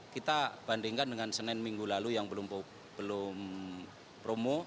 kita bandingkan dengan senin minggu lalu yang belum promo